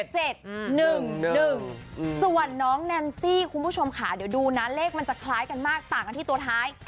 ส่วนน้องแนนซี่คุณผู้ชมค่ะเดี๋ยวดูนะเลขมันจะคล้ายกันมากต่างกันที่ตัวท้าย